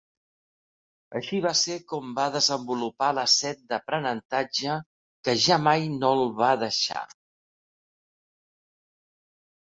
Així va ser com va desenvolupar la set d'aprenentatge que ja mai no el va deixar.